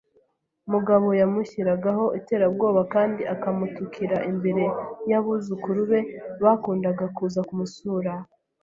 mugabo yamushyiragaho iterabwoba kandi akamutukira imbere y abuzukuru be bakundaga kuza kumusura